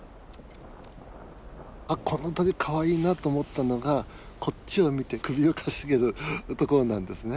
あっこの鳥かわいいなと思ったのがこっちを見て首をかしげるところなんですね。